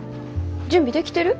準備できてる？